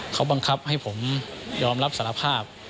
เขาบังคับให้ผมยอมรับสารภาพ